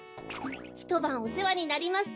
ひとばんおせわになります。